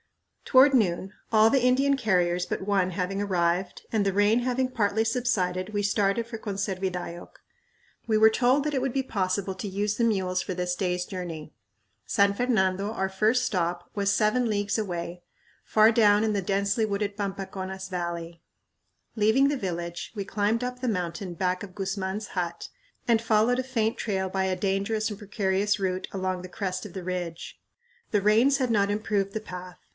Toward noon, all the Indian carriers but one having arrived, and the rain having partly subsided, we started for Conservidayoc. We were told that it would be possible to use the mules for this day's journey. San Fernando, our first stop, was "seven leagues" away, far down in the densely wooded Pampaconas Valley. Leaving the village we climbed up the mountain back of Guzman's hut and followed a faint trail by a dangerous and precarious route along the crest of the ridge. The rains had not improved the path.